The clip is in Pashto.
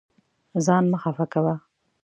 ځان مه خفه کوه.